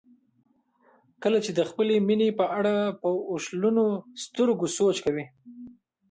کله چې د خپلې مینې په اړه په اوښلنو سترګو سوچ کوئ.